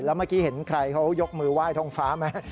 แล้วเมื่อกี้เห็นใครเขายกมือไหว้ท่องฟ้าไหม